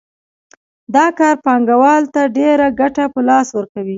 دا کار پانګوال ته ډېره ګټه په لاس ورکوي